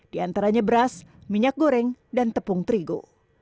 di antaranya beras minyak goreng dan tepung terigu